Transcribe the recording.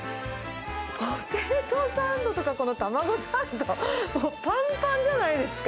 ポテトサンドとか、この卵サンド、もうぱんぱんじゃないですか。